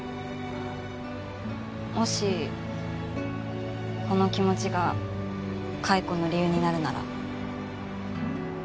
もしこの気持ちが解雇の理由になるなら。